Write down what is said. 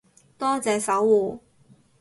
多謝守護